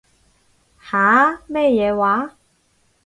吓？咩嘢話？